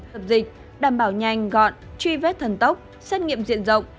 dập dịch đảm bảo nhanh gọn truy vết thần tốc xét nghiệm diện rộng